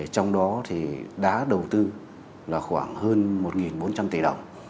trong đó thì đã đầu tư là khoảng hơn một bốn trăm linh tỷ đồng